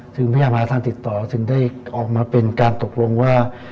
พยายามหาทางติดต่อจึงได้ออกมาเป็นการตกลงว่า